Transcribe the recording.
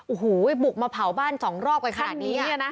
โอ้โหบุกมาเผาบ้าน๒รอบกันขนาดนี้